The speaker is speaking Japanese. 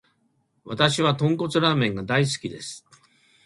わたしは豚骨ラーメンが大好きです。